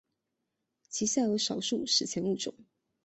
其下有少数史前物种。